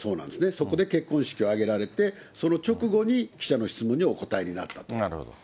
そこで結婚式を挙げられて、その直後に記者の質問にお答えになったと。